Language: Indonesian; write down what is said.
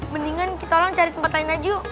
mendingan kita cari tempat lain aja yuk